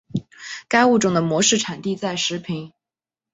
该物种的模式产地在石屏。